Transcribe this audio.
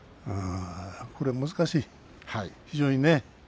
これは難しい、非常にね。